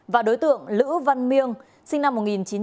và đối tượng lữ văn miêng sinh năm một nghìn chín trăm tám mươi